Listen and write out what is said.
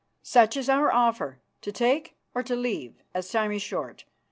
Such is our offer, to take or to leave, as time is short.